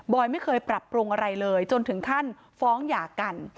ไม่เคยปรับปรุงอะไรเลยจนถึงขั้นฟ้องหย่ากัน